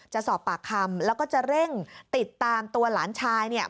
จะสอบปากคำแล้วก็จะเร่งติดตามตัวหลานชายเนี่ย